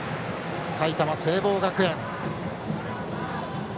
埼玉・聖望学園。